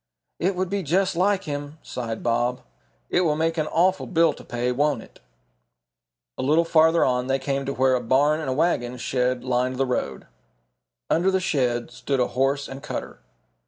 "It would be just like him," sighed Bob. "It will make an awful bill to pay, won't it?" A little further on they came to where a barn and a wagon shed lined the road. Under the shed stood a horse and cutter.